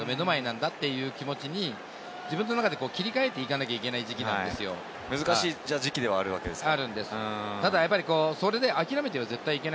１試合１試合、目の前なんだという気持ちに自分の中で切り替えていかなきゃいけない時難しい時期ではあるわけですね。